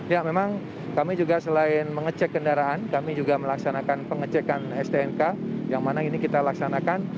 ya memang kami juga selain mengecek kendaraan kami juga melaksanakan pengecekan stnk yang mana ini kita laksanakan